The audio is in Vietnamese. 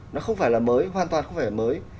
nó không phải là mới hoàn toàn không phải mới